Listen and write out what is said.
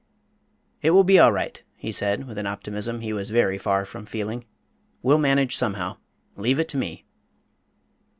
"It will be all right," he said, with an optimism he was very far from feeling; "we'll manage somehow leave it to me."